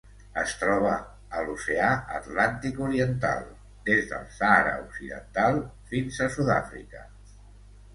Es troba a l'Oceà Atlàntic oriental: des del Sàhara Occidental fins a Sud-àfrica.